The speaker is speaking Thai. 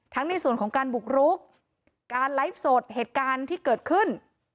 ในส่วนของการบุกรุกการไลฟ์สดเหตุการณ์ที่เกิดขึ้น